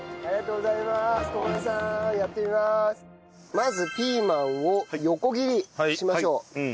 まずピーマンを横切りしましょう。